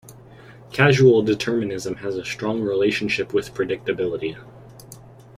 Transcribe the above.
Causal determinism has a strong relationship with predictability.